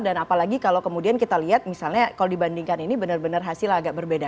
dan apalagi kalau kemudian kita lihat misalnya kalau dibandingkan ini benar benar hasil agak berbeda